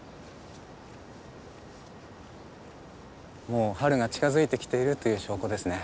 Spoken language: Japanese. もう春が近づいてきているという証拠ですね。